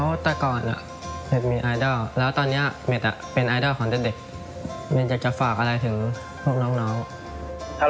ขอบคุณทุกคนที่คอยส่งเสริมผมคอยสั่งด้านผมขอบคุณทุกคนที่คอยที่คอยที่หวังดีและคิดดีแน่ในทางให้ผมมาถึงทุกวันนี้ครับ